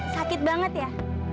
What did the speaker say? sakit banget ya